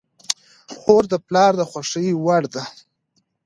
خور د پلار د خوښې وړ ده.